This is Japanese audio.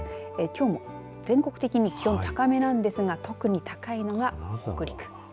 きょうも全国的に気温、高めなんですが特に高いのが北陸。